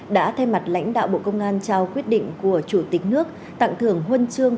đã thay mặt lãnh đạo bộ công an trao quyết định của chủ tịch nước tặng thưởng huân chương